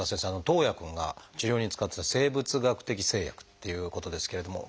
徳文くんが治療に使ってた生物学的製剤っていうことですけれども。